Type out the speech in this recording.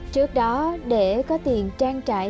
trước đó để có tiền trang trải